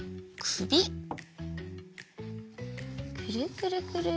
くるくるくる。